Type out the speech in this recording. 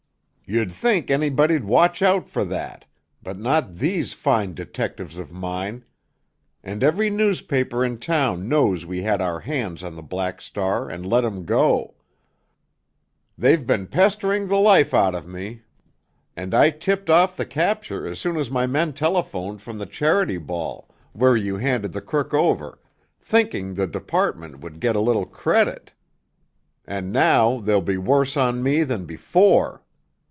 "You'd think anybody'd watch out for that—but not these fine detectives of mine! And every newspaper in town knows we had our hands on the Black Star and let him go. They've been pestering the life out of me, and I tipped off the capture as soon as my men telephoned from the Charity Ball, where you handed the crook over, thinking the department would get a little credit. And now they'll be worse on me than before.